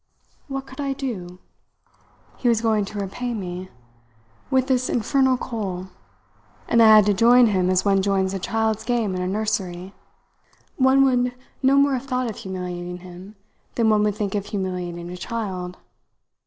What could I do? He was going to repay me with this infernal coal, and I had to join him as one joins a child's game in a nursery. One would no more have thought of humiliating him than one would think of humiliating a child.